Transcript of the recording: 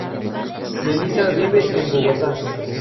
Melissa vive en Bogotá.